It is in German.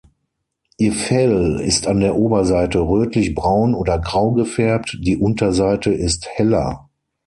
Ihr Fell ist an der Oberseite rötlich-braun oder grau gefärbt, die Unterseite ist heller.